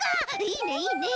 いいねいいね。